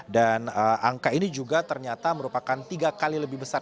dan angka ini juga ternyata merupakan tiga kali lebih besar